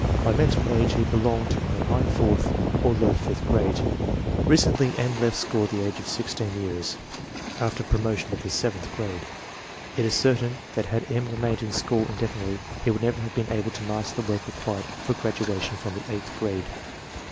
By mental age he belonged in the high fourth or low fifth grade. Recently M. left school at the age of 16 years, after promotion to the seventh grade. It is certain that had M. remained in school indefinitely, he would never have been able to master the work required for graduation from the eighth grade.